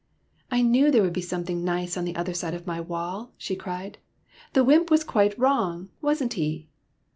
'' I knew there would be something nice on the other side of my wall," she cried. '' The wymp was quite wrong, was n't he